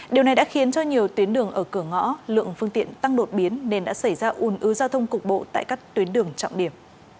điều này đã khiến cho nhiều tuyến đường ở cửa ngõ lượng phương tiện tăng đột biến nên đã xảy ra ủn ứ giao thông cục bộ tại các tuyến đường trọng điểm